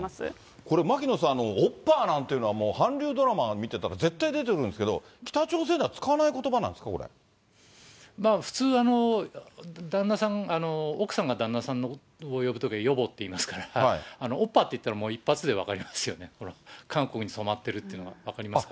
これ、牧野さん、オッパなんていうのは、韓流ドラマ見てたら、絶対出てくるんですけど、北朝鮮では使わないことばなんですか、普通、旦那さん、奥さんが旦那さんを呼ぶときは、ヨボって言いますから、オッパって言ったら、もう、一発で分かりますよね、韓国に染まってるというのが分かりますから。